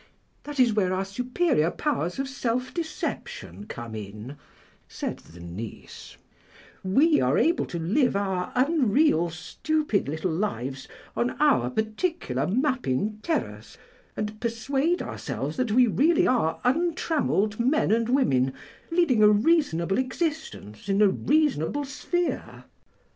"That is where our superior powers of self deception come in," said the niece; "we are able to live our unreal, stupid little lives on our particular Mappin terrace, and persuade ourselves that we really are untrammelled men and women leading a reasonable existence in a reasonable sphere."